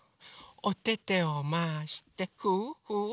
おててをまわしてフゥフゥ！